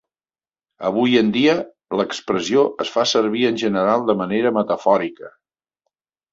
Avui en dia, l'expressió es fa servir en general de manera metafòrica.